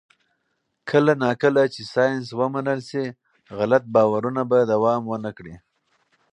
کله نا کله چې ساینس ومنل شي، غلط باورونه به دوام ونه کړي.